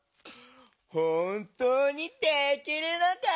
ほんとうにできるのか？